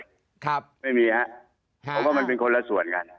ครับไม่มีครับเพราะว่ามันเป็นคนละส่วนกัน